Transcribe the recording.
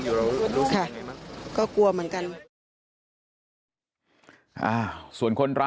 พี่ก็หลังกันเหรอ